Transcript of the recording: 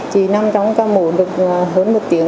chị nằm trong ca mổ được hơn một tiếng